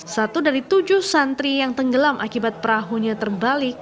satu dari tujuh santri yang tenggelam akibat perahunya terbalik